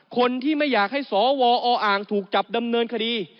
คนที่ไม่อยากให้สวออ่างถูกจับดำเนินคดี